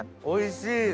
おいしい！